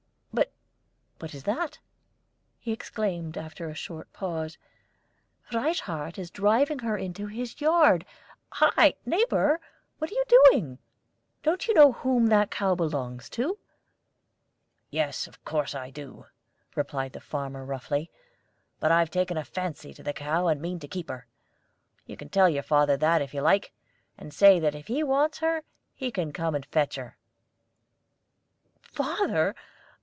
But what is that?" he exclaimed, after a short pause. "Frieshardt is driving her into his yard! Hi, neighbor! what are you doing? Don't you know whom that cow belongs to?" "Yes, of course I do," replied the farmer, roughly. "But I've taken a fancy to the cow, and mean to keep her. You can tell your father that, if you like, and say that if he wants her he can come and fetch her." "Father!